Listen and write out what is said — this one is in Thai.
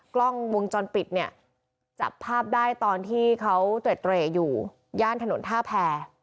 กล้องวงจรปิดเนี่ยจับภาพได้ตอนที่เขาเตรดอยู่ย่านถนนท่าแพร